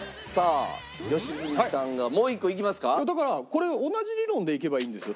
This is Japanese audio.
だからこれ同じ理論でいけばいいんですよ。